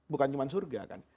bukan cuma surga kan